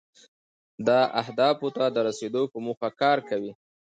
دا اهدافو ته د رسیدو په موخه کار کوي.